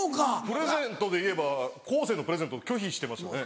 プレゼントでいえば昴生のプレゼント拒否してましたね。